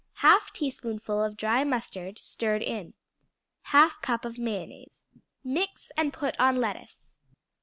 1/2 teaspoonful of dry mustard, stirred in. 1/2 cup of mayonnaise. Mix and put on lettuce.